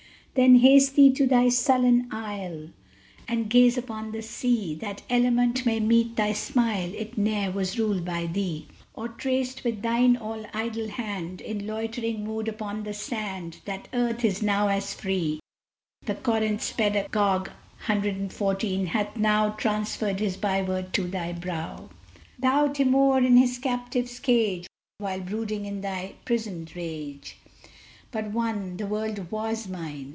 Then haste thee to thy sullen Isle, And gaze upon the sea; That element may meet thy smile It ne'er was ruled by thee! Or trace with thine all idle hand, In loitering mood upon the sand, That Earth is now as free! That Corinth's pedagogue hath now Transferred his byword to thy brow. Thou Timour! in his captive's cage, What thoughts will there be thine, While brooding in thy prisoned rage? But one "The world was mine!"